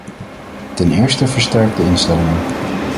Ten eerste versterkte instellingen.